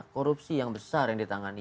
korupsi yang besar yang ditangani